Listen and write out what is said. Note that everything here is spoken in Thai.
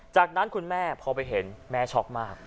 จากนั้นคุณแม่พอไปเห็นแม่ช็อกมาก